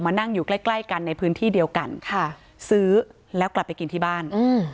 มานั่งอยู่ใกล้กันในพื้นที่เดียวกันซื้อแล้วกลับไปกินที่บ้าน